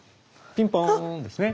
ピンポーンですね。